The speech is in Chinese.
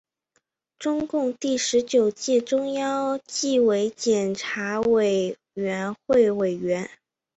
中共第十九届中央纪律检查委员会委员。